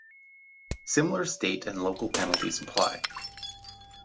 Similar state and local penalties apply.